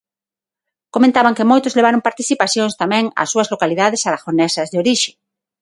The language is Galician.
Comentaban que moitos levaron participacións tamén ás súas localidades aragonesas de orixe.